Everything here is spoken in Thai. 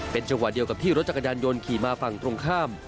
จังหวะเดียวกับที่รถจักรยานยนต์ขี่มาฝั่งตรงข้าม